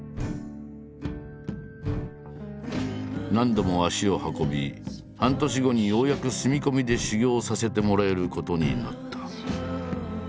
何度も足を運び半年後にようやく住み込みで修業させてもらえることになった。